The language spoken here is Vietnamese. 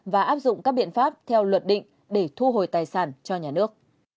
và áp dụng các biện pháp theo luật định để thu hồi tài sản cho nhà nước